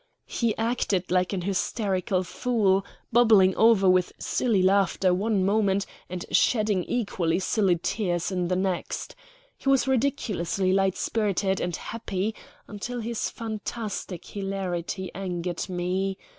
He acted like an hysterical fool, bubbling over with silly laughter one moment and shedding equally silly tears the next. He was ridiculously light spirited and happy, until his fantastic hilarity angered me.